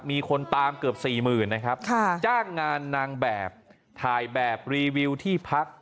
มีคนตามเกือบสี่หมื่นนะครับจ้างงานนางแบบถ่ายแบบรีวิวที่พัก